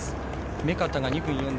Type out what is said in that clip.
目片が２分４０。